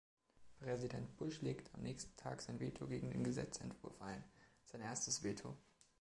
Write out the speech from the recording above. Präsident Bush legte am nächsten Tag sein Veto gegen den Gesetzentwurf ein - sein erstes Veto.